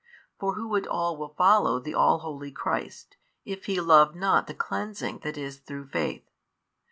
For who at all will follow the All holy Christ, if he love not the cleansing that is through faith?